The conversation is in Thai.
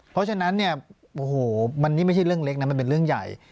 เพราะฉะนั้นเนี่ยโอ้โหมันนี่ไม่ใช่เรื่องเล็กนะมันเป็นเรื่องใหญ่